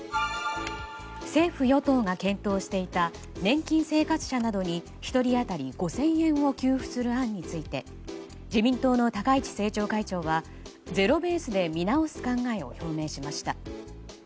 政府・与党が検討していた年金生活者などに１人当たり５０００円を給付する案について自民党の高市政調会長はゼロベースで見直す考えを表明しました。